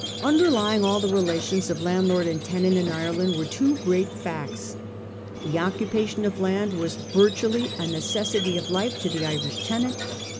Underlying all the relations of landlord and tenant in Ireland were two great facts. The occupation of land was virtually a necessity of life to the Irish tenant.